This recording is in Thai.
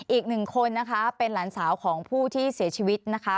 อีกหนึ่งคนนะคะเป็นหลานสาวของผู้ที่เสียชีวิตนะคะ